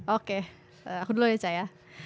oke aku dulu ya ca ya